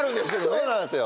そうなんですよ。